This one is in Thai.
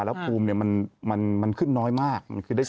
แล้วภูมิมันขึ้นน้อยมาก